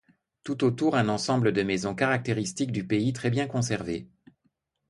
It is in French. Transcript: Tout autour un ensemble de maisons caractéristiques du pays très bien conservées.